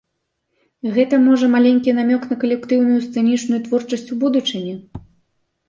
Гэта, можа, маленькі намёк на калектыўную сцэнічную творчасць у будучыні?